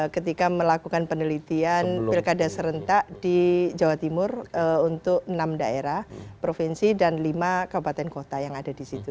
ketika melakukan penelitian pilkada serentak di jawa timur untuk enam daerah provinsi dan lima kabupaten kota yang ada di situ